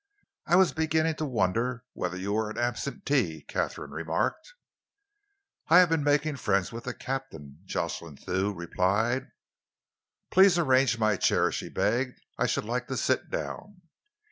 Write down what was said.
"I was beginning to wonder whether you were an absentee," Katharine remarked. "I have been making friends with the captain," Jocelyn Thew replied. "Please arrange my chair," she begged. "I should like to sit down."